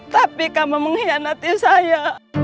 tapi kamu mengkhianati saya